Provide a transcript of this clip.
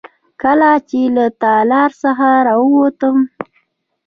کله چې له تالار څخه راووتم.